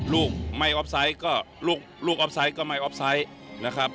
ลูกไม่ออฟไซต์ก็ลูกออฟไซต์ก็ไม่ออฟไซต์นะครับ